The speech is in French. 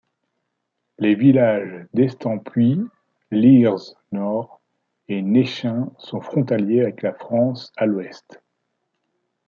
Les villages d'Estaimpuis, Leers-Nord et Néchin sont frontaliers avec la France à l’ouest.